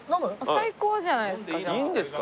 最高じゃないですか。